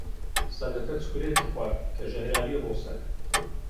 سەگەکە چوکلێتی خوارد، کە ژەهراوییە بۆ سەگ.